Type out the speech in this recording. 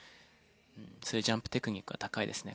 そういうジャンプテクニックは高いですね。